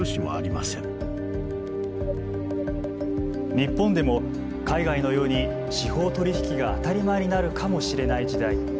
日本でも海外のように司法取引が当たり前になるかもしれない時代。